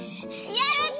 やった！